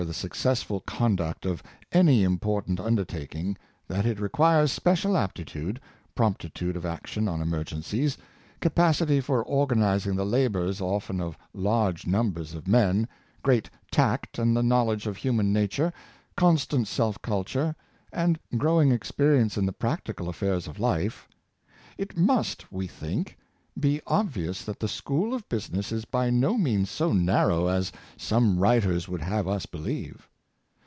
359 the successful conduct of any important undertaking — that it requires special aptitude, prompitude of action on emergencies, capacity for organizing the labors often of large numbers of men, great tact and knowledge of human nature, constant self culture, and growing experience in the practical affairs of life — it must, we think, be obvious that the school of business is by no means so narrow as some writers would have us be lieve.